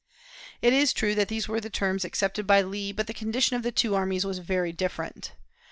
It is true that these were the terms accepted by Lee, but the condition of the two armies was very different.